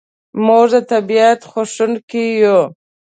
موږ د طبیعت خوښونکي یو.